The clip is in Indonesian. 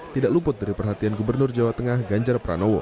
tidak luput dari perhatian gubernur jawa tengah ganjar pranowo